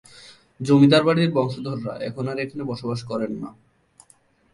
জমিদার বাড়ির বংশধররা এখন আর এখানে বসবাস করেন না।